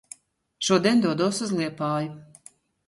Šodien dodos uz Liepāju.